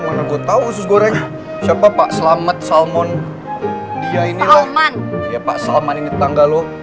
mana gue tahu usus goreng siapa pak selamet salmon dia ini loh ya pak salman ini tetangga lo